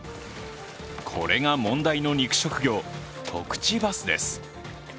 これが問題の肉食魚、コクチバスです。